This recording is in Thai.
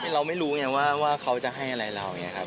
เราไม่รู้ว่าเขาจะให้อะไรเรา